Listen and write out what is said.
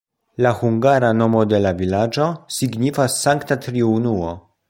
La hungara nomo de la vilaĝo signifas Sankta Triunuo.